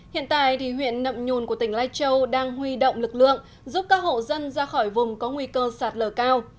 hiện tại huyện nậm nhùn của tỉnh lai châu đang huy động lực lượng giúp các hộ dân ra khỏi vùng có nguy cơ sạt lở cao